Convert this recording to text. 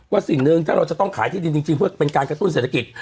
สิ่งหนึ่งถ้าเราจะต้องขายที่ดินจริงเพื่อเป็นการกระตุ้นเศรษฐกิจ